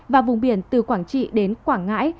và vùng biển từ quảng trị đến quảng ngãi